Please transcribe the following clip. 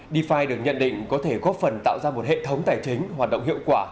dfi được nhận định có thể góp phần tạo ra một hệ thống tài chính hoạt động hiệu quả